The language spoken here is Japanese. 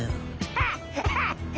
ハッハハハ！